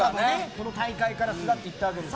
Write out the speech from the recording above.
この大会から巣立っていったわけです。